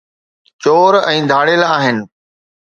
چور ۽ ڌاڙيل آهن